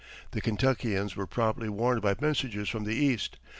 The Kentuckians were promptly warned by messengers from the East.